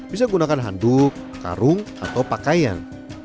bisa gunakan handuk karung atau pakaian